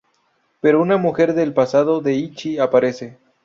Pero una mujer del pasado de Ichi aparece.